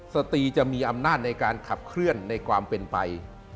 สตรีจะมีอำนาจในการขับเคลื่อนในความเป็นไป